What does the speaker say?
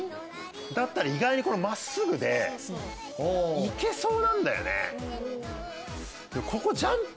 だったら意外にこれ真っすぐでいけそうなんだよね。